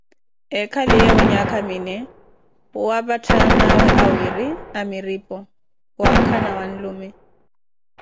Ekhaliyeevo nhaaka minee, khuwaapatha anawe awire amiripho, wankha na whanlume